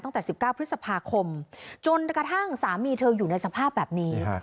ตั้งแต่๑๙พฤษภาคมจนกระทั่งสามีเธออยู่ในสภาพแบบนี้